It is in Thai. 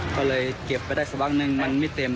ก็เลยเก็บไปได้สักพักนึงมันไม่เต็ม